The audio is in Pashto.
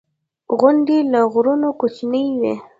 • غونډۍ له غرونو کوچنۍ وي.